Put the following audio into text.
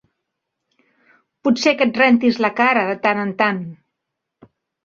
Potser que et rentis la cara de tan en tant!